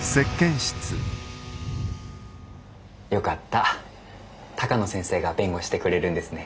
よかった鷹野先生が弁護してくれるんですね？